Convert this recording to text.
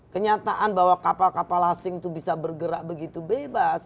kenyataan bahwa kapal kapal asing itu bisa bergerak begitu bebas